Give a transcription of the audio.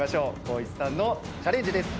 光一さんのチャレンジです。